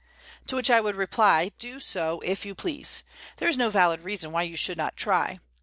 To such I would reply, Do so, if you please; there is no valid reason why you should not try.